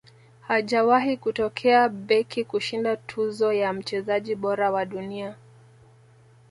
hajawahi kutokea beki kushinda tuzo ya mchezaji bora wa dunia